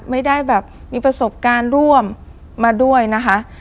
ไม่ได้แบบมีประสบการณ์ร่วมมาด้วยนะคะ